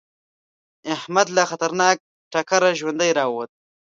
احمد له خطرناک ټکره ژوندی راووته.